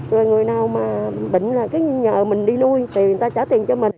rồi người nào mà bệnh là cứ nhờ mình đi nuôi thì người ta trả tiền cho mình